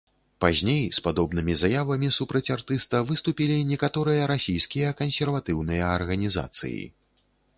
Пазней з падобнымі заявамі супраць артыста выступілі некаторыя расійскія кансерватыўныя арганізацыі.